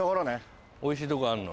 おいしいとこあるの？